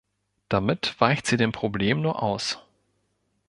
Damit weicht sie dem Problem nur aus.